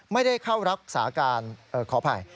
ไม่ได้เข้ารักษาการขออภัย